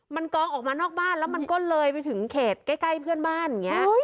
มันกองออกมานอกบ้านแล้วมันก็เลยไปถึงเขตใกล้เพื่อนบ้านอย่างนี้